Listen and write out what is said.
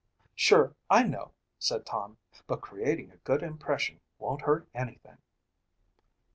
"Sure, I know," said Tom, "but creating a good impression won't hurt anything."